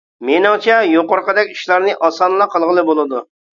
مېنىڭچە يۇقىرىقىدەك ئىشلارنى ئاسانلا قىلغىلى بولىدۇ.